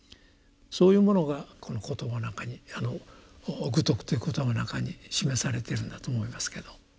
そういうものがこの言葉の中に「愚禿」という言葉の中に示されているんだと思いますけど。